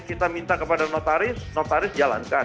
kita minta kepada notaris notaris jalankan